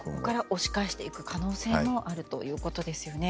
押し返していく可能性もあるということですよね。